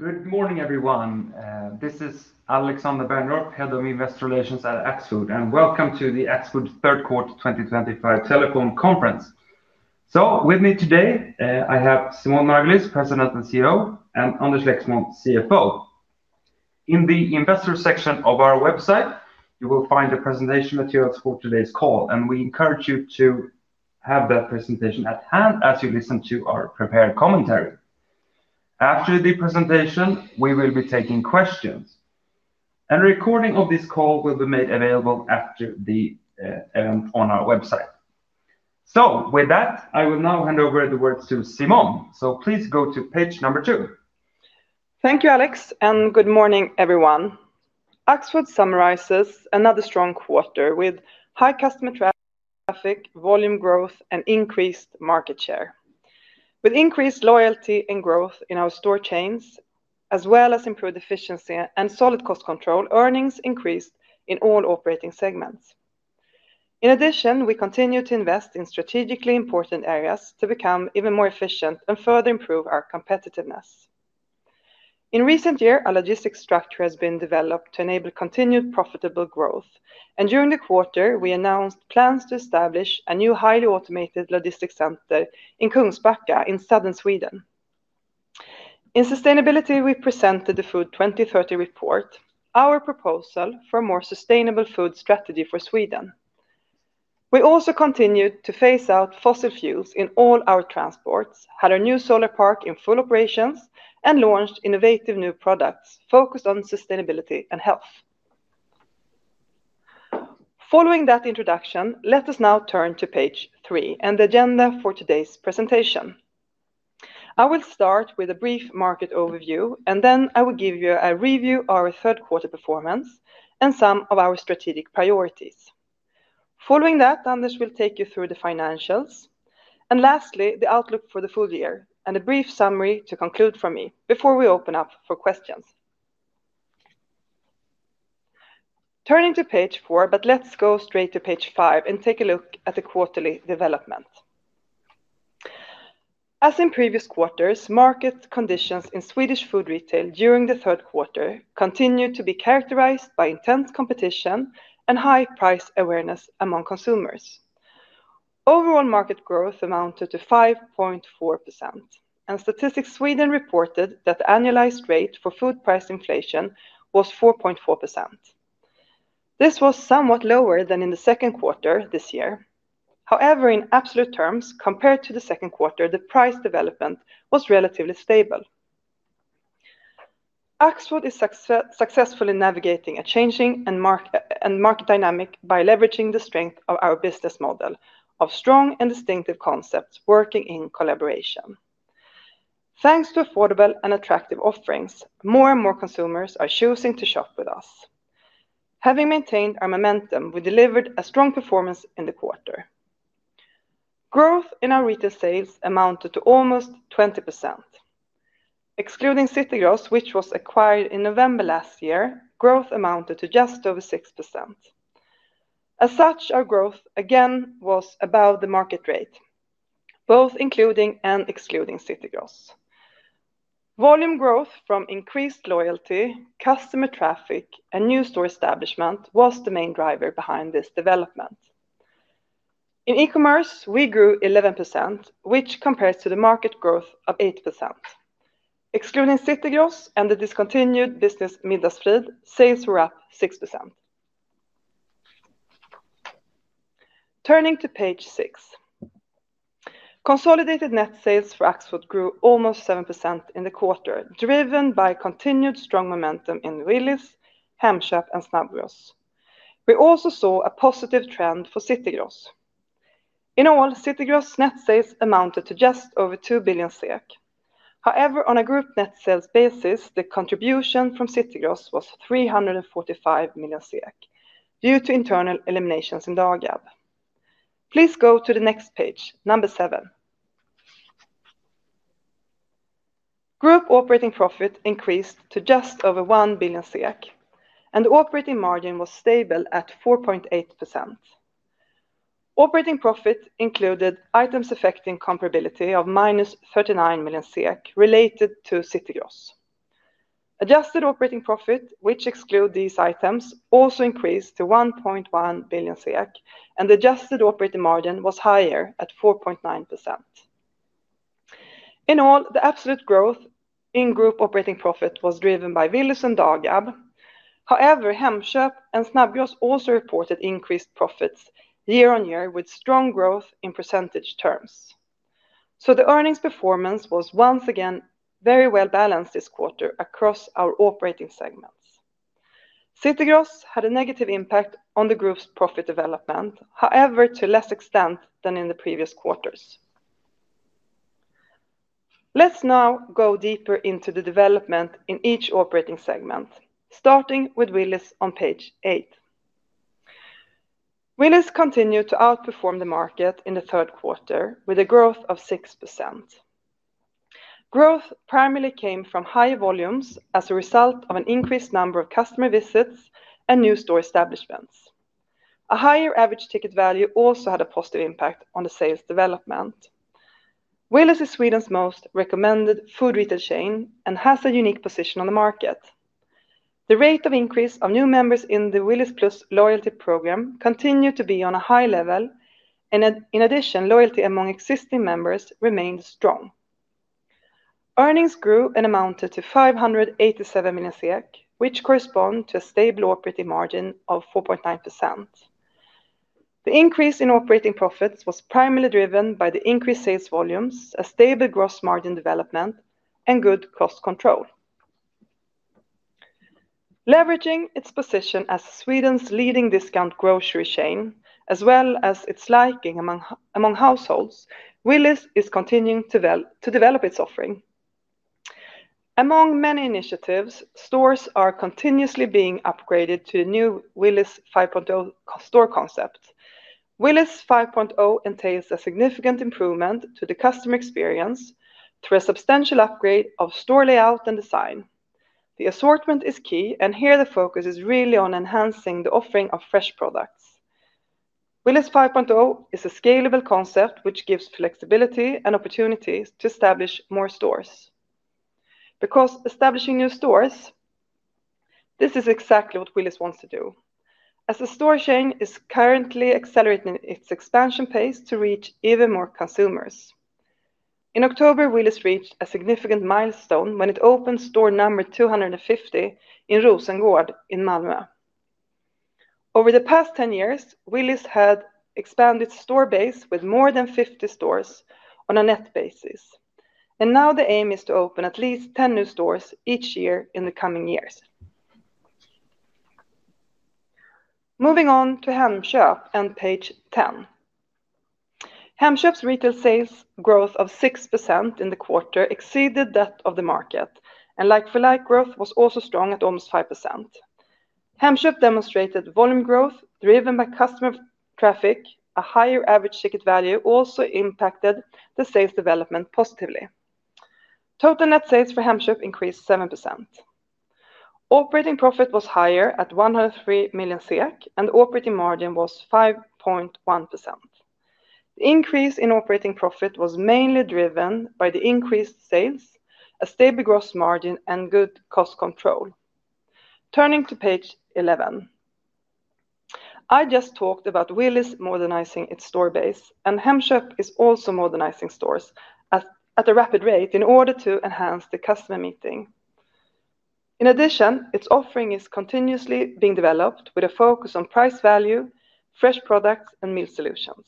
Good morning, everyone. This is Alexander Bergendorf, Head of Investor Relations at Axfood, and welcome to the Axfood Third Quarter 2025 Telecom Conference. With me today, I have Simone Margulies, President and CEO, and Anders Lexmon, CFO. In the Investor section of our website, you will find the presentation materials for today's call, and we encourage you to have that presentation at hand as you listen to our prepared commentary. After the presentation, we will be taking questions, and a recording of this call will be made available after the event on our website. With that, I will now hand over the words to Simone. Please go to page number two. Thank you, Alex, and good morning, everyone. Axfood summarizes another strong quarter with high customer traffic, volume growth, and increased market share. With increased loyalty and growth in our store chains, as well as improved efficiency and solid cost control, earnings increased in all operating segments. In addition, we continue to invest in strategically important areas to become even more efficient and further improve our competitiveness. In recent years, our logistics structure has been developed to enable continued profitable growth, and during the quarter, we announced plans to establish a new highly automated logistics center in Kungsbacka in southern Sweden. In sustainability, we presented the Food 2030 Report, our proposal for a more sustainable food strategy for Sweden. We also continued to phase out fossil fuels in all our transports, had our new solar park in full operations, and launched innovative new products focused on sustainability and health. Following that introduction, let us now turn to page three and the agenda for today's presentation. I will start with a brief market overview, and then I will give you a review of our third quarter performance and some of our strategic priorities. Following that, Anders will take you through the financials, and lastly, the outlook for the full year and a brief summary to conclude for me before we open up for questions. Turning to page four, but let's go straight to page five and take a look at the quarterly development. As in previous quarters, market conditions in Swedish food retail during the third quarter continue to be characterized by intense competition and high price awareness among consumers. Overall market growth amounted to 5.4%, and Statistics Sweden reported that the annualized rate for food price inflation was 4.4%. This was somewhat lower than in the second quarter this year. However, in absolute terms, compared to the second quarter, the price development was relatively stable. Axfood is successfully navigating a changing market dynamic by leveraging the strength of our business model of strong and distinctive concepts working in collaboration. Thanks to affordable and attractive offerings, more and more consumers are choosing to shop with us. Having maintained our momentum, we delivered a strong performance in the quarter. Growth in our retail sales amounted to almost 20%. Excluding City Gross, which was acquired in November last year, growth amounted to just over 6%. As such, our growth again was above the market rate, both including and excluding City Gross. Volume growth from increased loyalty, customer traffic, and new store establishment was the main driver behind this development. In e-commerce, we grew 11%, which compares to the market growth of 8%. Excluding City Gross and the discontinued business, Middagsfrid, sales were up 6%. Turning to page six. Consolidated net sales for Axfood grew almost 7% in the quarter, driven by continued strong momentum in Willys, Hemköp, and Snabbgross. We also saw a positive trend for City Gross. In all, City Gross net sales amounted to just over 2 billion. However, on a group net sales basis, the contribution from City Gross was 345 million due to internal eliminations in Dagab. Please go to the next page, number seven. Group operating profit increased to just over 1 billion SEK, and the operating margin was stable at 4.8%. Operating profit included items affecting comparability of minus 39 million SEK related to City Gross. Adjusted operating profit, which excludes these items, also increased to 1.1 billion SEK, and the adjusted operating margin was higher at 4.9%. In all, the absolute growth in group operating profit was driven by Willys and Dagab. However, Hemköp and Snabbgross also reported increased profits year on year with strong growth in percentage terms. The earnings performance was once again very well balanced this quarter across our operating segments. City Gross had a negative impact on the group's profit development, however, to a lesser extent than in the previous quarters. Let's now go deeper into the development in each operating segment, starting with Willys on page eight. Willys continued to outperform the market in the third quarter with a growth of 6%. Growth primarily came from higher volumes as a result of an increased number of customer visits and new store establishments. A higher average ticket value also had a positive impact on the sales development. Willys is Sweden's most recommended food retail chain and has a unique position on the market. The rate of increase of new members in the Willys Plus loyalty program continued to be on a high level, and in addition, loyalty among existing members remained strong. Earnings grew and amounted to 587 million SEK, which corresponds to a stable operating margin of 4.9%. The increase in operating profits was primarily driven by the increased sales volumes, a stable gross margin development, and good cost control. Leveraging its position as Sweden's leading discount grocery chain, as well as its liking among households, Willys is continuing to develop its offering. Among many initiatives, stores are continuously being upgraded to the new Willys 5.0 store concept. Willys 5.0 entails a significant improvement to the customer experience through a substantial upgrade of store layout and design. The assortment is key, and here the focus is really on enhancing the offering of fresh products. Willys 5.0 is a scalable concept which gives flexibility and opportunities to establish more stores. Because establishing new stores, this is exactly what Willys wants to do. As a store chain, it is currently accelerating its expansion pace to reach even more consumers. In October, Willys reached a significant milestone when it opened store number 250 in Rosengård in Malmö. Over the past 10 years, Willys had expanded its store base with more than 50 stores on a net basis, and now the aim is to open at least 10 new stores each year in the coming years. Moving on to Hemköp and page 10. Hemköp's retail sales growth of 6% in the quarter exceeded that of the market, and like-for-like growth was also strong at almost 5%. Hemköp demonstrated volume growth driven by customer traffic. A higher average ticket value also impacted the sales development positively. Total net sales for Hemköp increased 7%. Operating profit was higher at 103 million SEK, and the operating margin was 5.1%. The increase in operating profit was mainly driven by the increased sales, a stable gross margin, and good cost control. Turning to page 11. I just talked about Willys modernizing its store base, and Hemköp is also modernizing stores at a rapid rate in order to enhance the customer meeting. In addition, its offering is continuously being developed with a focus on price value, fresh products, and meal solutions.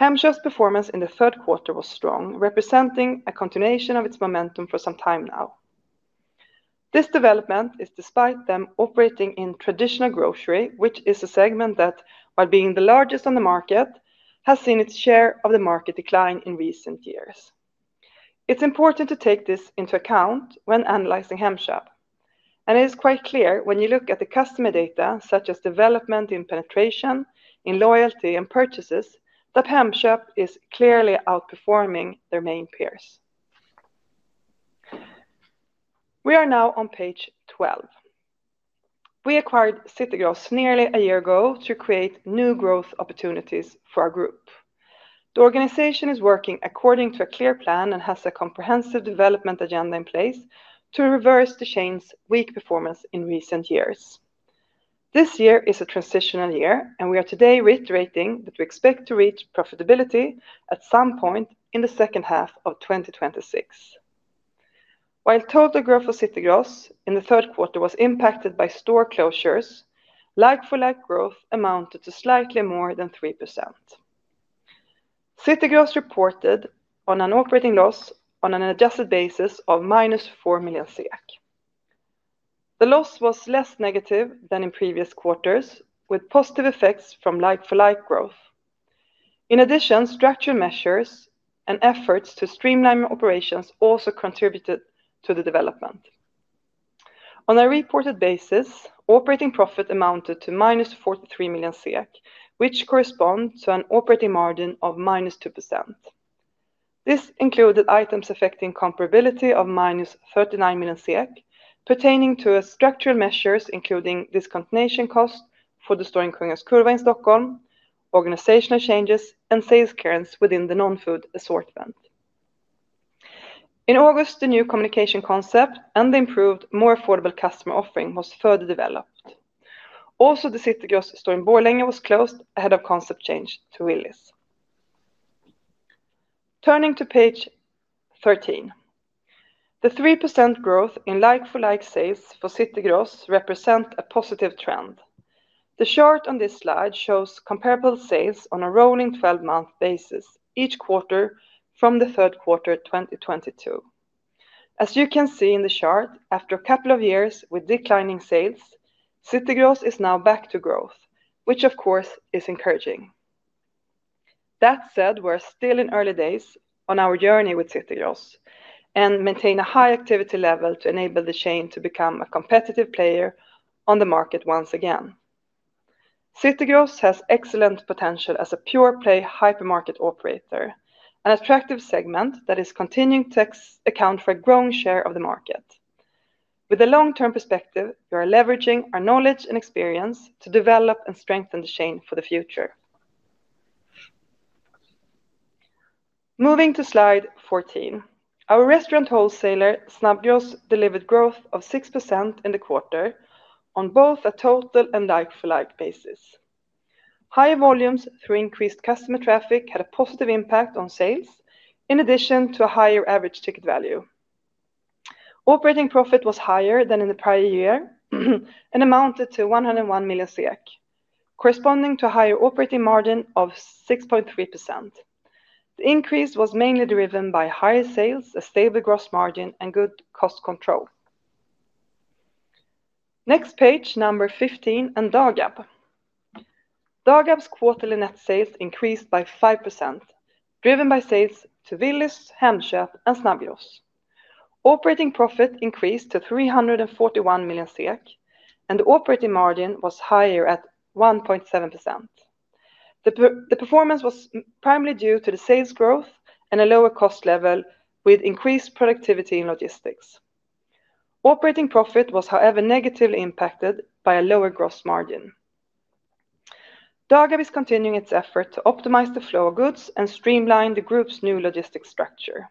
Hemköp's performance in the third quarter was strong, representing a continuation of its momentum for some time now. This development is despite them operating in traditional grocery, which is a segment that, while being the largest on the market, has seen its share of the market decline in recent years. It's important to take this into account when analyzing Hemköp, and it is quite clear when you look at the customer data, such as development in penetration, in loyalty, and purchases, that Hemköp is clearly outperforming their main peers. We are now on page 12. We acquired City Gross nearly a year ago to create new growth opportunities for our group. The organization is working according to a clear plan and has a comprehensive development agenda in place to reverse the chain's weak performance in recent years. This year is a transitional year, and we are today reiterating that we expect to reach profitability at some point in the second half of 2026. While total growth for City Gross in the third quarter was impacted by store closures, like-for-like growth amounted to slightly more than 3%. City Gross reported an operating loss on an adjusted basis of -4 million SEK. The loss was less negative than in previous quarters, with positive effects from like-for-like growth. In addition, structural measures and efforts to streamline operations also contributed to the development. On a reported basis, operating profit amounted to -43 million SEK, which corresponds to an operating margin of -2%. This included items affecting comparability of -39 million SEK pertaining to structural measures, including discontinuation cost for the Stortorget in Stockholm, organizational changes, and sales currents within the non-food assortment. In August, the new communication concept and the improved, more affordable customer offering was further developed. Also, the City Gross Storgångbojänge was closed ahead of concept change to Willys. Turning to page 13. The 3% growth in like-for-like sales for City Gross represents a positive trend. The chart on this slide shows comparable sales on a rolling 12-month basis each quarter from the third quarter 2022. As you can see in the chart, after a couple of years with declining sales, City Gross is now back to growth, which of course is encouraging. That said, we're still in early days on our journey with City Gross and maintain a high activity level to enable the chain to become a competitive player on the market once again. City Gross has excellent potential as a pure-play hypermarket operator, an attractive segment that is continuing to account for a growing share of the market. With a long-term perspective, we are leveraging our knowledge and experience to develop and strengthen the chain for the future. Moving to slide 14, our restaurant wholesaler Snabbgross delivered growth of 6% in the quarter on both a total and like-for-like basis. Higher volumes through increased customer traffic had a positive impact on sales, in addition to a higher average ticket value. Operating profit was higher than in the prior year and amounted to 101 million SEK, corresponding to a higher operating margin of 6.3%. The increase was mainly driven by higher sales, a stable gross margin, and good cost control. Next page, number 15 and Dagab. Dagab's quarterly net sales increased by 5%, driven by sales to Willys, Hemköp, and Snabbgross. Operating profit increased to 341 million SEK, and the operating margin was higher at 1.7%. The performance was primarily due to the sales growth and a lower cost level with increased productivity in logistics. Operating profit was, however, negatively impacted by a lower gross margin. Dagab is continuing its effort to optimize the flow of goods and streamline the group's new logistics structure.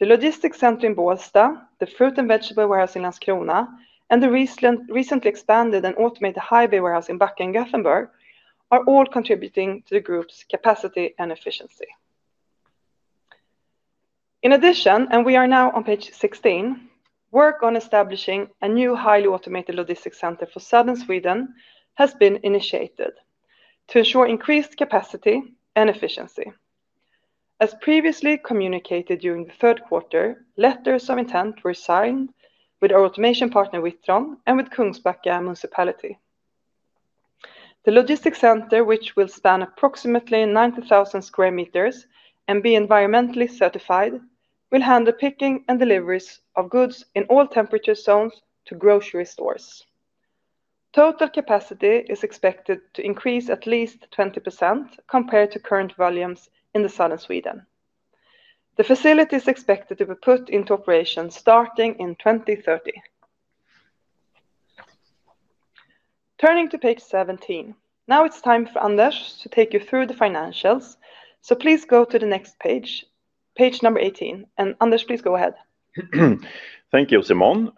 The logistics center in Bålsta, the fruit and vegetable warehouse in Landskrona, and the recently expanded and automated highway warehouse in Backofenberg are all contributing to the group's capacity and efficiency. In addition, we are now on page 16, work on establishing a new highly automated logistics center for southern Sweden has been initiated to ensure increased capacity and efficiency. As previously communicated during the third quarter, letters of intent were signed with our automation partner Witron and with Kungsbacka Municipality. The logistics center, which will span approximately 90,000 square meters and be environmentally certified, will handle picking and deliveries of goods in all temperature zones to grocery stores. Total capacity is expected to increase at least 20% compared to current volumes in southern Sweden. The facility is expected to be put into operation starting in 2030. Turning to page 17, now it's time for Anders to take you through the financials, so please go to the next page, page number 18, and Anders, please go ahead. Thank you, Simone.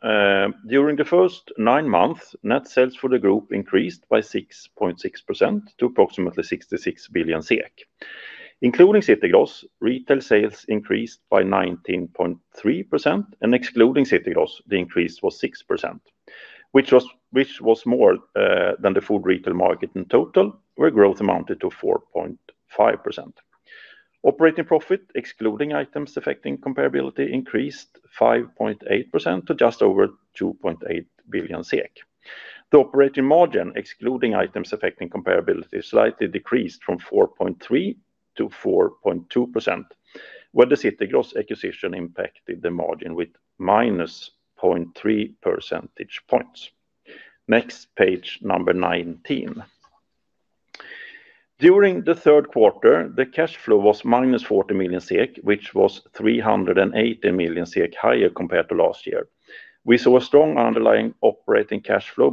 During the first nine months, net sales for the group increased by 6.6% to approximately 66 billion SEK. Including City Gross, retail sales increased by 19.3%, and excluding City Gross, the increase was 6%, which was more than the food retail market in total, where growth amounted to 4.5%. Operating profit, excluding items affecting comparability, increased 5.8% to just over 2.8 billion SEK. The operating margin, excluding items affecting comparability, slightly decreased from 4.3%-4.2%, where the City Gross acquisition impacted the margin with -0.3 percentage points. Next page, number 19. During the third quarter, the cash flow was -40 million SEK, which was 318 million SEK higher compared to last year. We saw a strong underlying operating cash flow,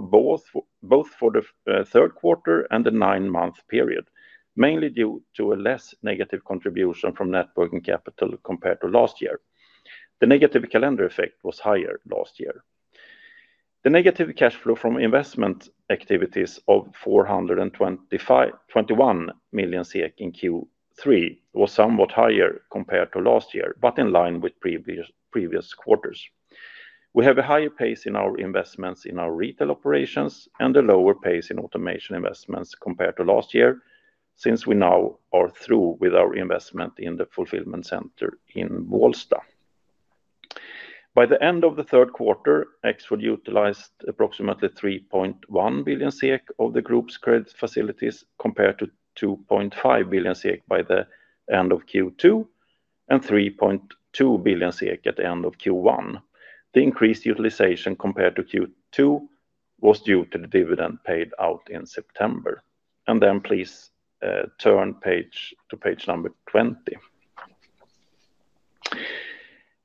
both for the third quarter and the nine-month period, mainly due to a less negative contribution from net working capital compared to last year. The negative calendar effect was higher last year. The negative cash flow from investment activities of 421 million SEK in Q3 was somewhat higher compared to last year, but in line with previous quarters. We have a higher pace in our investments in our retail operations and a lower pace in automation investments compared to last year since we now are through with our investment in the fulfillment center in Bålsta. By the end of the third quarter, Axfood utilized approximately 3.1 billion SEK of the group's credit facilities compared to 2.5 billion SEK by the end of Q2 and 3.2 billion SEK at the end of Q1. The increased utilization compared to Q2 was due to the dividend paid out in September. Please turn to page number 20.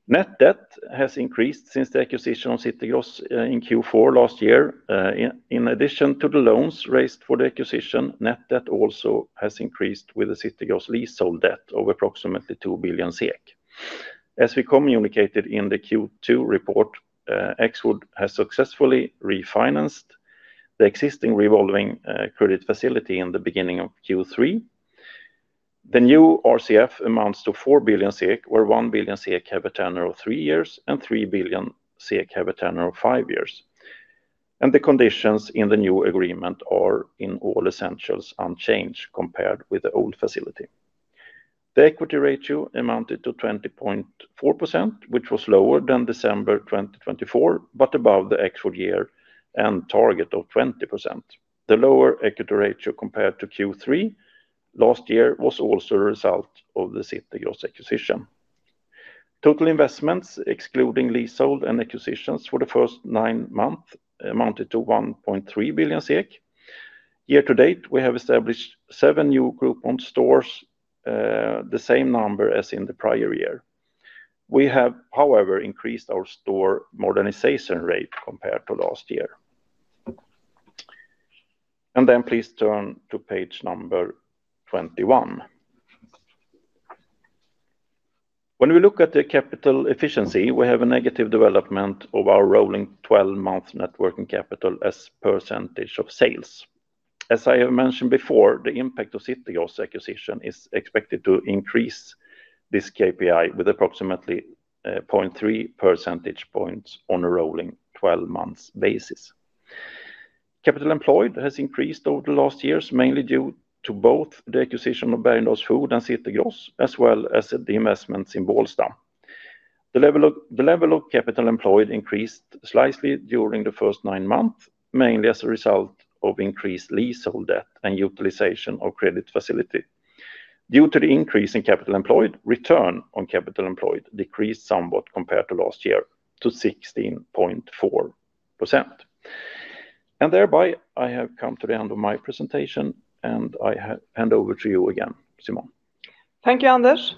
Net debt has increased since the acquisition of City Gross in Q4 last year. In addition to the loans raised for the acquisition, net debt also has increased with the City Gross leasehold debt of approximately 2 billion SEK. As we communicated in the Q2 report, Axfood has successfully refinanced the existing revolving credit facility in the beginning of Q3. The new RCF amounts to 4 billion, where 1 billion have a tenure of three years and 3 billion have a tenure of five years. The conditions in the new agreement are in all essentials unchanged compared with the old facility. The equity ratio amounted to 20.4%, which was lower than December 2024, but above the Axfood year-end target of 20%. The lower equity ratio compared to Q3 last year was also a result of the City Gross acquisition. Total investments, excluding leasehold and acquisitions for the first nine months, amounted to 1.3 billion SEK. Year to date, we have established seven new Group stores, the same number as in the prior year. We have, however, increased our store modernization rate compared to last year. Please turn to page number 21. When we look at the capital efficiency, we have a negative development of our rolling 12-month net working capital as a percentage of sales. As I have mentioned before, the impact of the City Gross acquisition is expected to increase this KPI by approximately 0.3% points on a rolling 12-month basis. Capital employed has increased over the last years, mainly due to both the acquisition of Bergendorf Food and City Gross, as well as the investments in Bålsta. The level of capital employed increased slightly during the first nine months, mainly as a result of increased leasehold debt and utilization of credit facility. Due to the increase in capital employed, return on capital employed decreased somewhat compared to last year to 16.4%. I have come to the end of my presentation, and I hand over to you again, Simone. Thank you, Anders.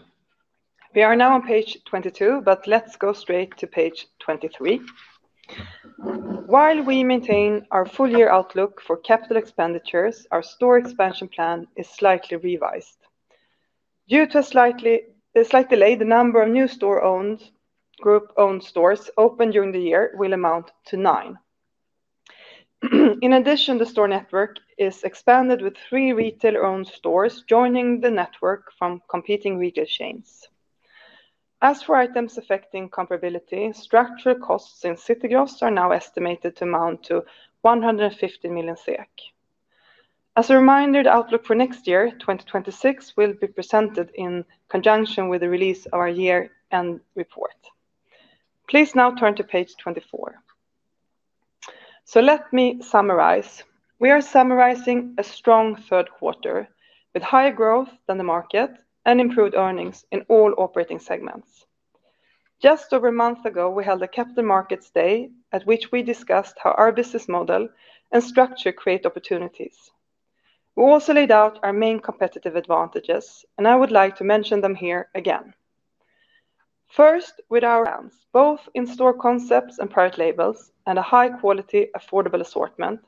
We are now on page 22, but let's go straight to page 23. While we maintain our full-year outlook for CapEx, our store expansion plan is slightly revised. Due to a slight delay, the number of new group-owned stores opened during the year will amount to nine. In addition, the store network is expanded with three retail-owned stores joining the network from competing retail chains. As for items affecting comparability, structural costs in City Gross are now estimated to amount to 150 million SEK. As a reminder, the outlook for next year, 2026, will be presented in conjunction with the release of our year-end report. Please now turn to page 24. Let me summarize. We are summarizing a strong third quarter with higher growth than the market and improved earnings in all operating segments. Just over a month ago, we held a Capital Markets Day, at which we discussed how our business model and structure create opportunities. We also laid out our main competitive advantages, and I would like to mention them here again. First, with our brands, both in store concepts and product labels, and a high-quality, affordable assortment,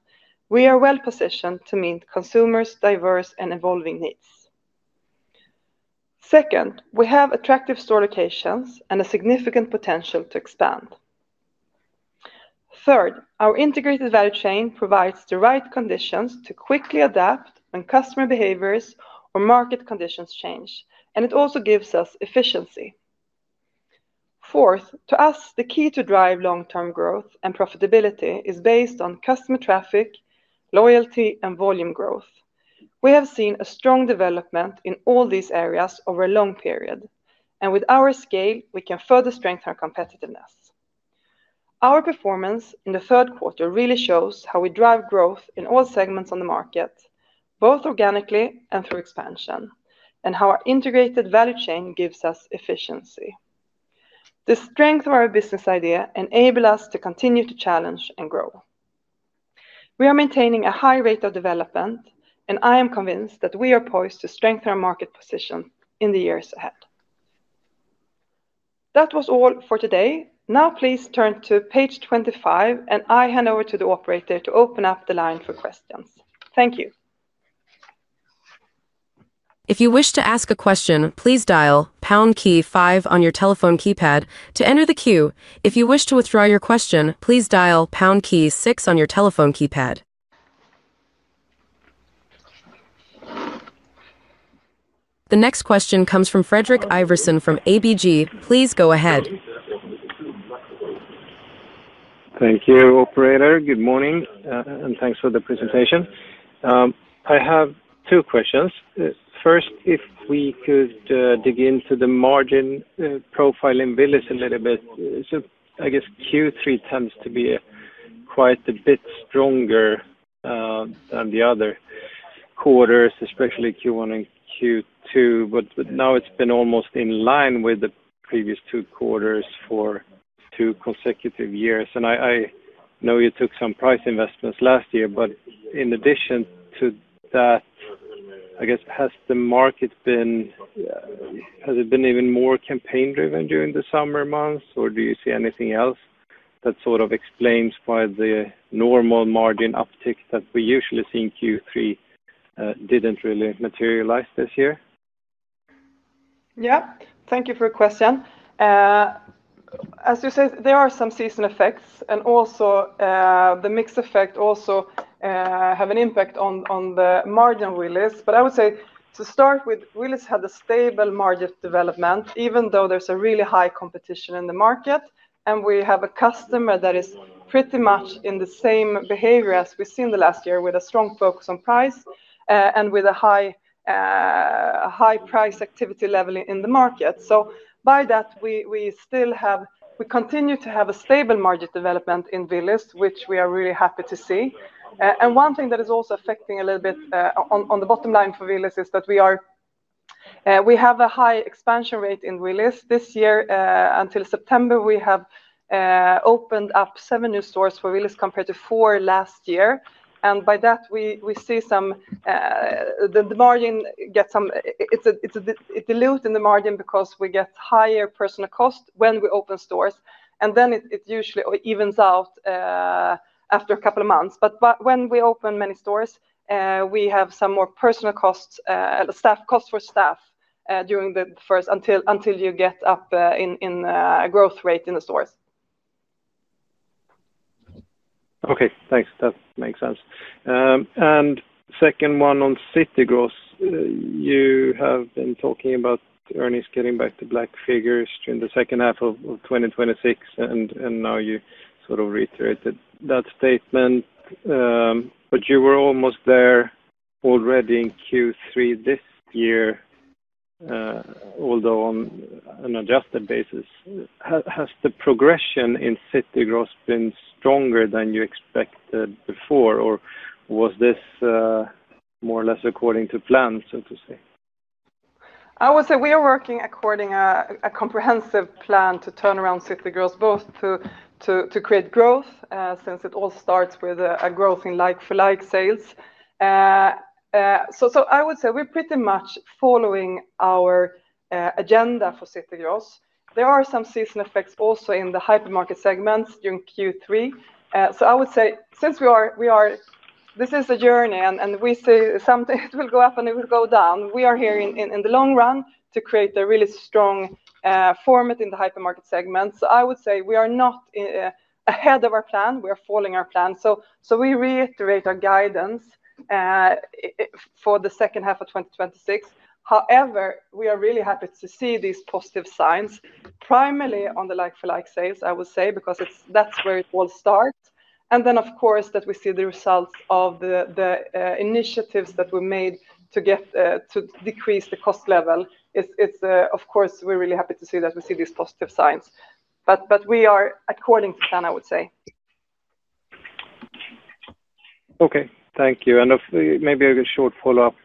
we are well positioned to meet consumers' diverse and evolving needs. Second, we have attractive store locations and a significant potential to expand. Third, our integrated value chain provides the right conditions to quickly adapt when customer behaviors or market conditions change, and it also gives us efficiency. Fourth, to us, the key to drive long-term growth and profitability is based on customer traffic, loyalty, and volume growth. We have seen a strong development in all these areas over a long period, and with our scale, we can further strengthen our competitiveness. Our performance in the third quarter really shows how we drive growth in all segments on the market, both organically and through expansion, and how our integrated value chain gives us efficiency. The strength of our business idea enables us to continue to challenge and grow. We are maintaining a high rate of development, and I am convinced that we are poised to strengthen our market position in the years ahead. That was all for today. Now please turn to page 25, and I hand over to the operator to open up the line for questions. Thank you. If you wish to ask a question, please dial pound key five on your telephone keypad to enter the queue. If you wish to withdraw your question, please dial pound key six on your telephone keypad. The next question comes from Fredrik Iverson from ABG. Please go ahead. Thank you, operator. Good morning, and thanks for the presentation. I have two questions. First, if we could dig into the margin profile in Willys a little bit. I guess Q3 tends to be quite a bit stronger than the other quarters, especially Q1 and Q2, but now it's been almost in line with the previous two quarters for two consecutive years. I know you took some price investments last year. In addition to that, has the market been even more campaign-driven during the summer months, or do you see anything else that explains why the normal margin uptick that we usually see in Q3 didn't really materialize this year? Thank you for your question. As you said, there are some seasonal effects, and also the mix effect also has an impact on the margin in Willys. I would say to start with, Willys had a stable market development, even though there's a really high competition in the market, and we have a customer that is pretty much in the same behavior as we've seen the last year with a strong focus on price and with a high price activity level in the market. By that, we continue to have a stable market development in Willys, which we are really happy to see. One thing that is also affecting a little bit on the bottom line for Willys is that we have a high expansion rate in Willys. This year, until September, we have opened up seven new stores for Willys compared to four last year. By that, we see the margin gets some, it's a dilute in the margin because we get higher personnel costs when we open stores, and then it usually evens out after a couple of months. When we open many stores, we have some more personnel costs, staff costs for staff during the first until you get up in a growth rate in the stores. Okay. Thanks. That makes sense. The second one on City Gross, you have been talking about earnings getting back to black figures during the second half of 2026, and now you sort of reiterated that statement. You were almost there already in Q3 this year, although on an adjusted basis. Has the progression in City Gross been stronger than you expected before, or was this more or less according to plan, so to say? I would say we are working according to a comprehensive plan to turn around City Gross, both to create growth since it all starts with a growth in like-for-like sales. I would say we're pretty much following our agenda for City Gross. There are some seasonal effects also in the hypermarket segments during Q3. I would say this is a journey, and we see something, it will go up and it will go down. We are here in the long run to create a really strong format in the hypermarket segment. I would say we are not ahead of our plan. We are following our plan. We reiterate our guidance for the second half of 2026. However, we are really happy to see these positive signs, primarily on the like-for-like sales, I would say, because that's where it all starts. Of course, we see the results of the initiatives that were made to decrease the cost level. Of course, we're really happy to see that we see these positive signs. We are according to plan, I would say. Thank you. Maybe a short follow-up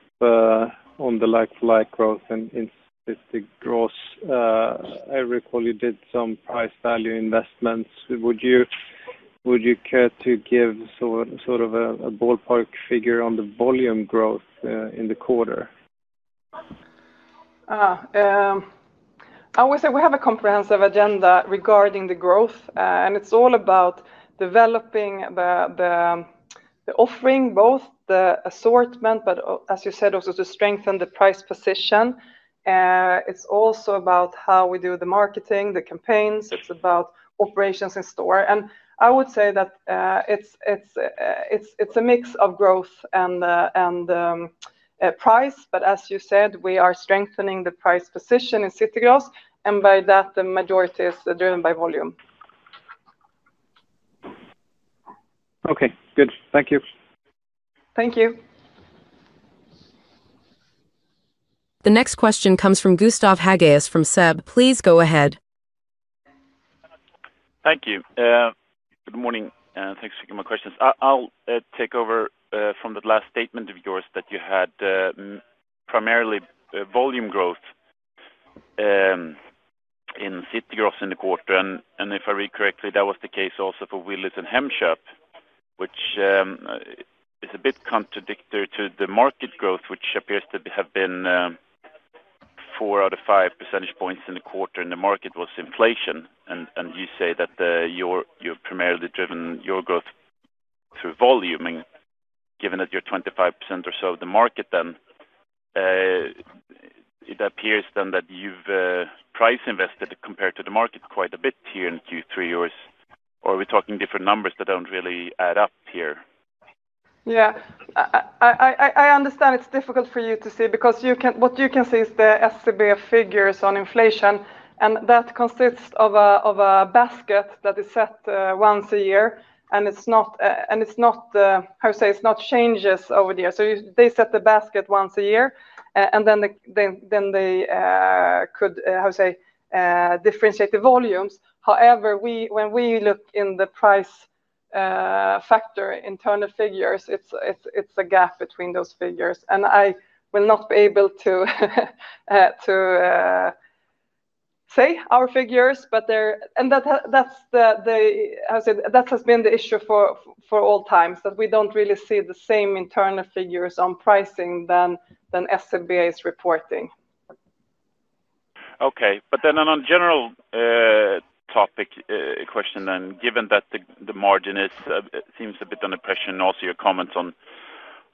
on the like-for-like growth in City Gross. I recall you did some price value investments. Would you care to give sort of a ballpark figure on the volume growth in the quarter? I would say we have a comprehensive agenda regarding the growth, and it's all about developing the offering, both the assortment, but as you said, also to strengthen the price position. It's also about how we do the marketing, the campaigns. It's about operations in store. I would say that it's a mix of growth and price. As you said, we are strengthening the price position in City Gross, and by that, the majority is driven by volume. Okay, good. Thank you. Thank you. The next question comes from Gustav Hageus from SEB. Please go ahead. Thank you. Good morning. Thanks for taking my questions. I'll take over from the last statement of yours that you had primarily volume growth in City Gross in the quarter. If I read correctly, that was the case also for Willys and Hemköp, which is a bit contradictory to the market growth, which appears to have been four out of five percentage points in the quarter in the market was inflation. You say that you primarily driven your growth through volume. Given that you're 25% or so of the market, it appears that you've price invested compared to the market quite a bit here in Q3. Are we talking different numbers that don't really add up here? Yeah. I understand it's difficult for you to see because what you can see is the SEB figures on inflation, and that consists of a basket that is set once a year. It's not, how to say, it doesn't change over the year. They set the basket once a year, and then they could, how to say, differentiate the volumes. However, when we look in the price factor internal figures, there's a gap between those figures. I will not be able to say our figures, but that's the, how to say, that has been the issue for all times, that we don't really see the same internal figures on pricing that SEB is reporting. Okay. On a general topic question, given that the margin seems a bit under pressure and also your comments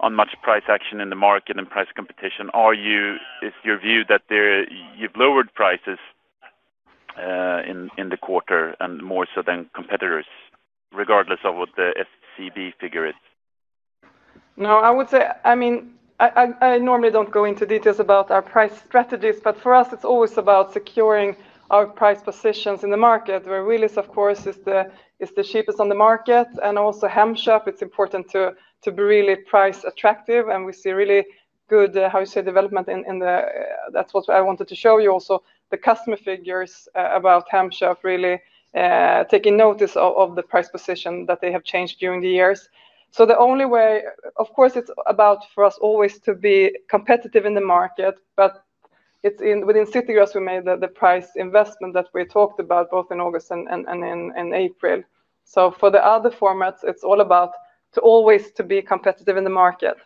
on much price action in the market and price competition, is your view that you've lowered prices in the quarter and more so than competitors, regardless of what the SEB figure is? No, I would say, I mean, I normally don't go into details about our price strategies, but for us, it's always about securing our price positions in the market, where Willys, of course, is the cheapest on the market. Also, Hemköp, it's important to be really price attractive, and we see really good, how to say, development in the, that's what I wanted to show you also, the customer figures about Hemköp really taking notice of the price position that they have changed during the years. The only way, of course, it's about for us always to be competitive in the market, but within City Gross, we made the price investment that we talked about both in August and in April. For the other formats, it's all about always to be competitive in the market.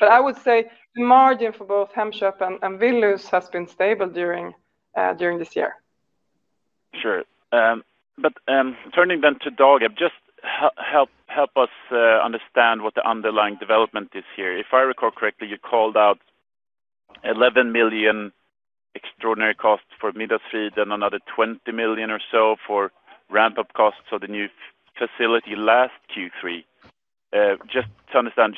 I would say the margin for both Hemköp and Willys has been stable during this year. Sure. Turning then to Dagab, just help us understand what the underlying development is here. If I recall correctly, you called out 11 million extraordinary costs for Middagsfrid and another 20 million or so for ramp-up costs of the new facility last Q3. Just to understand,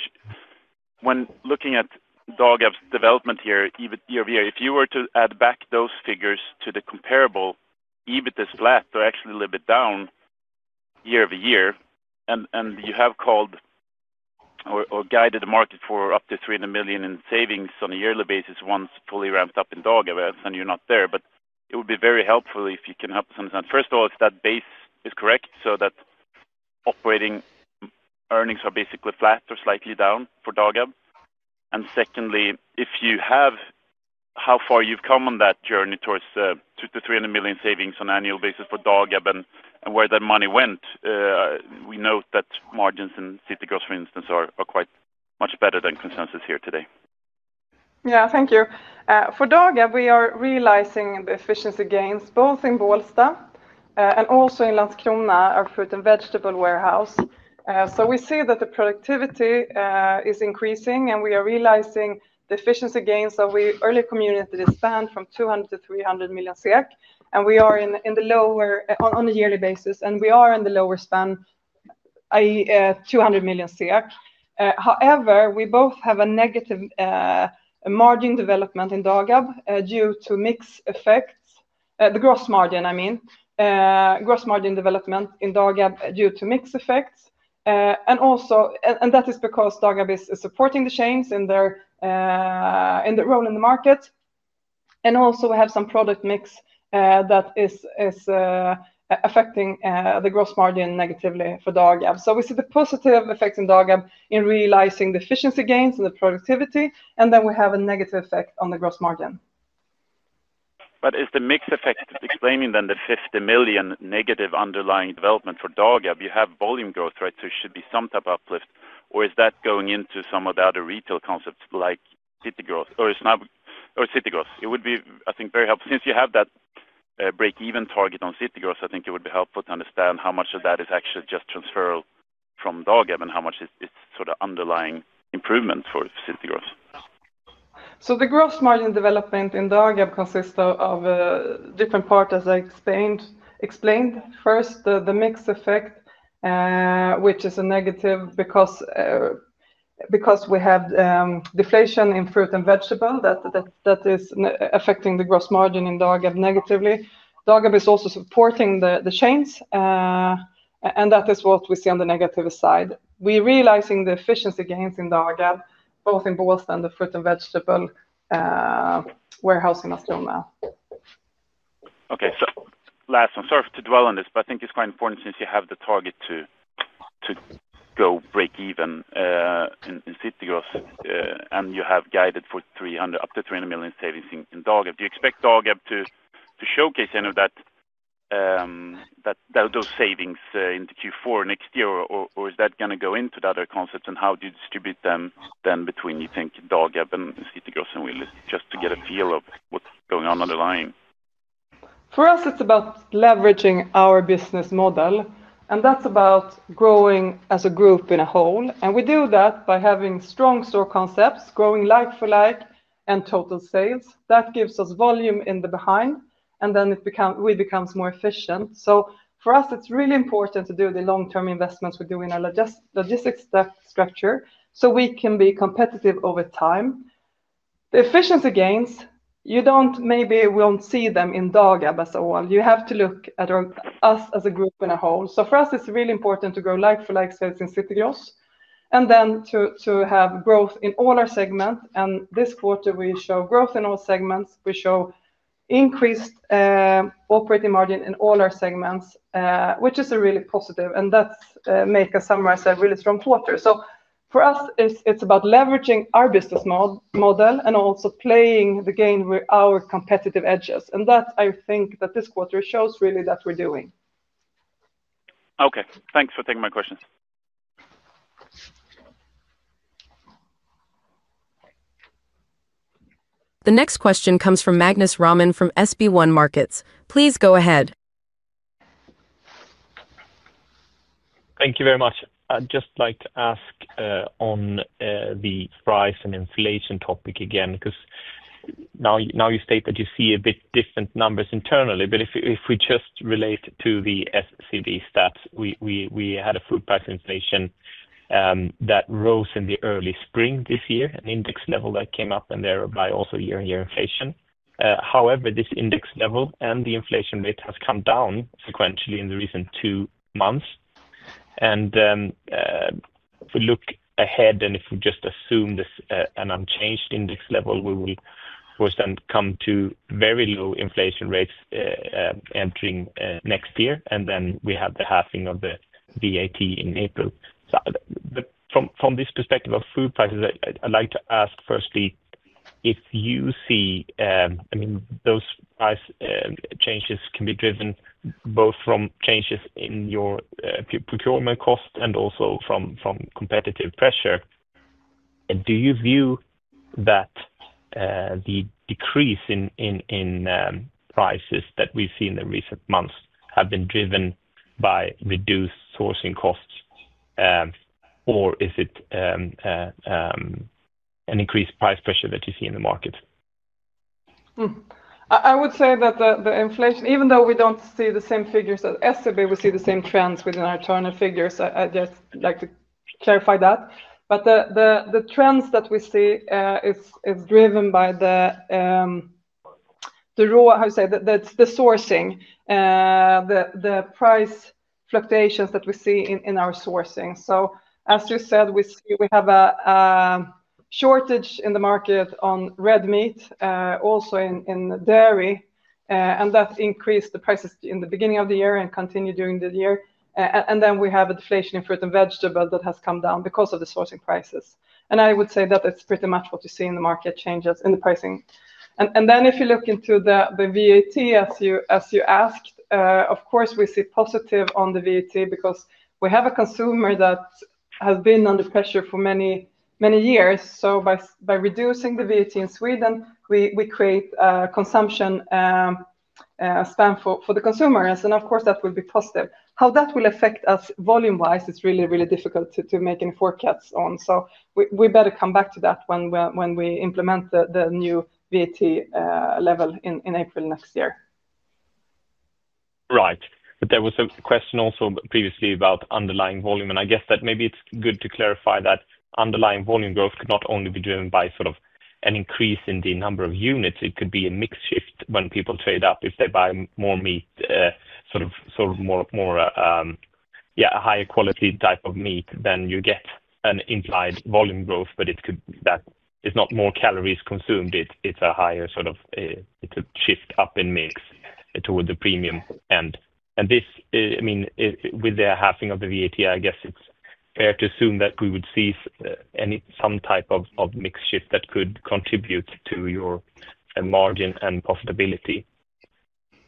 when looking at Dagab's development here year-over-year, if you were to add back those figures to the comparable, EBIT is flat or actually a little bit down year-over-year, and you have called or guided the market for up to 300 million in savings on a yearly basis once fully ramped up in Dagab, and you're not there. It would be very helpful if you can help us understand, first of all, if that base is correct so that operating earnings are basically flat or slightly down for Dagab. Secondly, if you have how far you've come on that journey towards 200-300 million savings on an annual basis for Dagab and where that money went. We note that margins in City Gross, for instance, are quite much better than consensus here today. Thank you. For Dagab, we are realizing the efficiency gains both in Bålsta and also in Landskrona, our fruit and vegetable warehouse. We see that the productivity is increasing, and we are realizing the efficiency gains of the early community span from 200-300 million SEK on a yearly basis, and we are in the lower span, i.e., 200 million SEK. However, we have a negative margin development in Dagab due to mixed effects, the gross margin, I mean, gross margin development in Dagab due to mixed effects. That is because Dagab is supporting the chains in their role in the market. We also have some product mix that is affecting the gross margin negatively for Dagab. We see the positive effects in Dagab in realizing the efficiency gains and the productivity, and we have a negative effect on the gross margin. Is the mixed effect explaining the $50 million negative underlying development for Dagab? You have volume growth, right? It should be some type of uplift, or is that going into some of the other retail concepts like City Gross? It would be, I think, very helpful since you have that break-even target on City Gross. I think it would be helpful to understand how much of that is actually just transferable from Dagab and how much is sort of underlying improvement for City Gross. The gross margin development in Dagab consists of different parts, as I explained. First, the mix effect, which is a negative because we have deflation in fruit and vegetable that is affecting the gross margin in Dagab negatively. Dagab is also supporting the chains, and that is what we see on the negative side. We're realizing the efficiency gains in Dagab, both in Bålsta and the fruit and vegetable warehouse in Åsa Domeij. Okay. Last one, sorry to dwell on this, but I think it's quite important since you have the target to go break even in City Gross, and you have guided for up to 300 million savings in Dagab. Do you expect Dagab to showcase any of those savings into Q4 next year, or is that going to go into the other concepts? How do you distribute them then between, you think, Dagab and City Gross and Willys? Just to get a feel of what's going on underlying. For us, it's about leveraging our business model, and that's about growing as a group as a whole. We do that by having strong store concepts, growing like-for-like and total sales. That gives us volume in the behind, and then it becomes more efficient. For us, it's really important to do the long-term investments we do in our logistics structure so we can be competitive over time. The efficiency gains, you maybe won't see them in Dagab as a whole. You have to look at us as a group as a whole. For us, it's really important to grow like-for-like sales in City Gross and then to have growth in all our segments. This quarter, we show growth in all segments. We show increased operating margin in all our segments, which is really positive, and that makes us summarize a really strong quarter. For us, it's about leveraging our business model and also playing the game with our competitive edges. I think that this quarter shows really that we're doing. Okay, thanks for taking my questions. The next question comes from Magnus Raman from SB1 Markets. Please go ahead. Thank you very much. I'd just like to ask on the price and inflation topic again because now you state that you see a bit different numbers internally. If we just relate to the SEB stats, we had a food price inflation that rose in the early spring this year, an index level that came up and thereby also year on year inflation. However, this index level and the inflation rate have come down sequentially in the recent two months. If we look ahead and if we just assume this is an unchanged index level, we will, of course, then come to very low inflation rates entering next year, and we have the halving of the VAT in April. From this perspective of food prices, I'd like to ask firstly if you see, I mean, those price changes can be driven both from changes in your procurement cost and also from competitive pressure. Do you view that the decrease in prices that we've seen in the recent months has been driven by reduced sourcing costs, or is it an increased price pressure that you see in the market? I would say that the inflation, even though we don't see the same figures as SEB, we see the same trends within our internal figures. I'd just like to clarify that. The trends that we see are driven by the raw, how to say, the sourcing, the price fluctuations that we see in our sourcing. As you said, we have a shortage in the market on red meat, also in dairy, and that increased the prices in the beginning of the year and continued during the year. We have a deflation in fruit and vegetable that has come down because of the sourcing prices. I would say that it's pretty much what you see in the market changes in the pricing. If you look into the VAT, as you asked, of course, we see positive on the VAT because we have a consumer that has been under pressure for many, many years. By reducing the VAT in Sweden, we create a consumption spend for the consumers. Of course, that will be positive. How that will affect us volume-wise, it's really, really difficult to make any forecasts on. We better come back to that when we implement the new VAT level in April next year. Right. There was a question also previously about underlying volume, and I guess that maybe it's good to clarify that underlying volume growth could not only be driven by an increase in the number of units. It could be a mix shift when people trade up. If they buy more meat, sort of more, yeah, a higher quality type of meat, then you get an implied volume growth, but it could be that it's not more calories consumed. It's a higher sort of shift up in mix toward the premium. With the halving of the VAT, I guess it's fair to assume that we would see some type of mix shift that could contribute to your margin and profitability.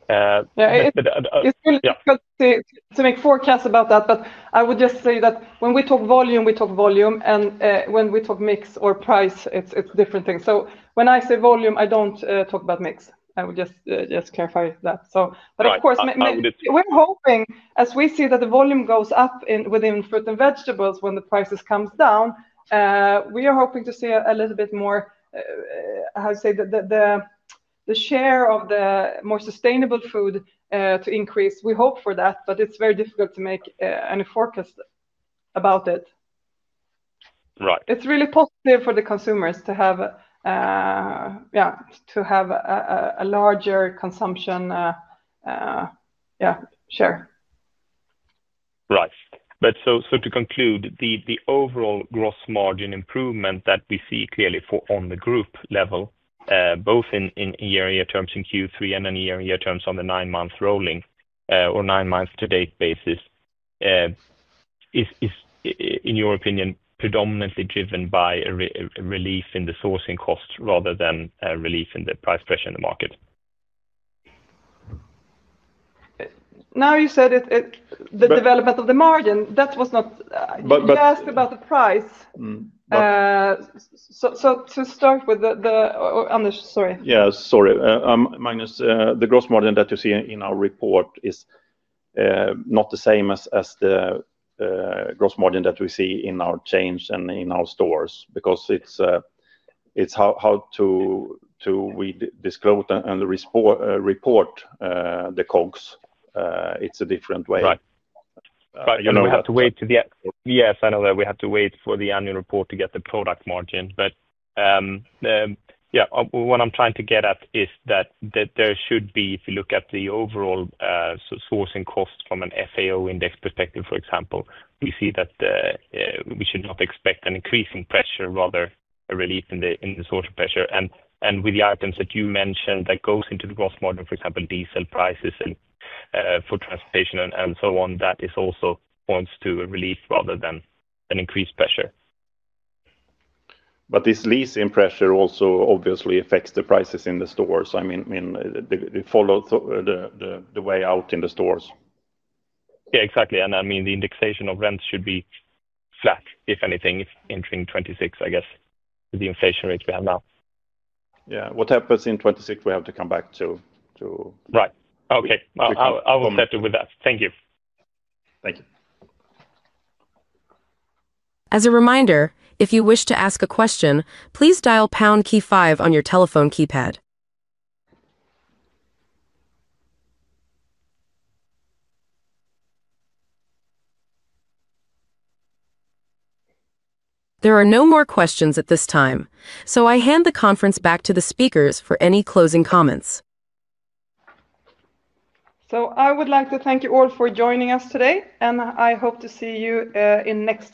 Yeah. It's really difficult to make forecasts about that, but I would just say that when we talk volume, we talk volume, and when we talk mix or price, it's different things. When I say volume, I don't talk about mix. I would just clarify that. Okay. Of course, we're hoping as we see that the volume goes up within fruit and vegetables when the prices come down, we are hoping to see a little bit more, how to say, the share of the more sustainable food to increase. We hope for that, but it's very difficult to make any forecast about it. Right. It's really positive for the consumers to have a larger consumption share. Right. To conclude, the overall gross margin improvement that we see clearly on the group level, both in year-on-year terms in Q3 and in year-on-year terms on the nine-month rolling or nine-month-to-date basis, is, in your opinion, predominantly driven by a relief in the sourcing costs rather than a relief in the price pressure in the market? Now you said the development of the margin. But. That was not, you asked about the price. Yes. To start with, sorry. Yeah. Sorry. Magnus, the gross margin that you see in our report is not the same as the gross margin that we see in our chains and in our stores because it's how to disclose and report the COGS. It's a different way. Right. You know we have to wait for the annual report to get the product margin. What I'm trying to get at is that there should be, if you look at the overall sourcing costs from an FAO index perspective, for example, we see that we should not expect an increase in pressure, rather a relief in the source of pressure. With the items that you mentioned that go into the gross margin, for example, diesel prices and for transportation and so on, that also points to a relief rather than increased pressure. This leasing pressure also obviously affects the prices in the stores. I mean, they follow the way out in the stores. Yeah. Exactly. The indexation of rents should be flat, if anything, entering 2026, I guess, with the inflation rate we have now. What happens in 2026, we have to come back to. Right. Okay. I'll settle with that. Thank you. Thank you. As a reminder, if you wish to ask a question, please dial the pound key five on your telephone keypad. There are no more questions at this time. I hand the conference back to the speakers for any closing comments. I would like to thank you all for joining us today, and I hope to see you in the next.